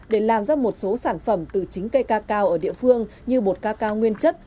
để làm ra một số sản phẩm từ chính cây cacao ở địa phương như bột ca cao nguyên chất